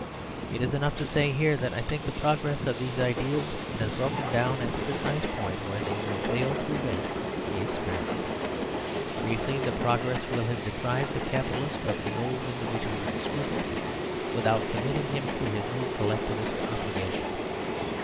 It is enough to say here that I think the progress of these ideals has broken down at the precise point where they will fail to prevent the experiment. Briefly, the progress will have deprived the Capitalist of his old Individualist scruples, without committing him to his new Collectivist obligations.